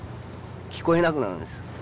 聞こえなくなるんです。